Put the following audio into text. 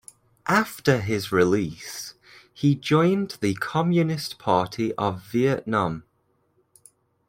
After his release, he joined the Communist Party of Vietnam.